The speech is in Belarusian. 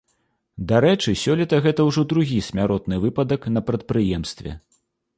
Дарэчы, сёлета гэта ўжо другі смяротны выпадак на прадпрыемстве.